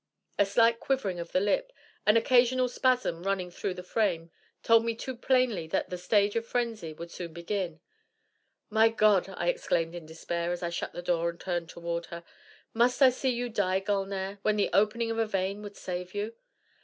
A slight quivering of the lip, an occasional spasm running through the frame, told me too plainly that the stage of frenzy would soon begin. 'My God,' I exclaimed in despair, as I shut the door and turned toward her, 'must I see you die, Gulnare, when the opening of a vein would save you?